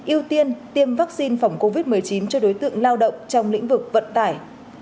ưu tiên tiêm vaccine phòng covid một mươi chín cho đối tượng lao động trong lĩnh vực vận tải